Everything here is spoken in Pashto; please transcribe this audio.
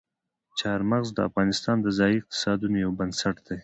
چار مغز د افغانستان د ځایي اقتصادونو یو بنسټ دی.